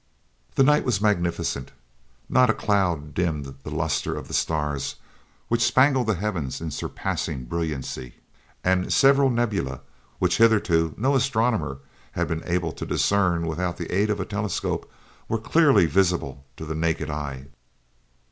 The night was magnificent. Not a cloud dimmed the luster of the stars, which spangled the heavens in surpassing brilliancy, and several nebulae which hitherto no astronomer had been able to discern without the aid of a telescope were clearly visible to the naked eye.